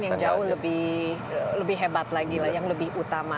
yang jauh lebih hebat lagi lah yang lebih utama